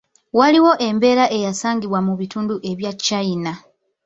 Waliwo embeera eyasangibwa mu bitundu ebya China.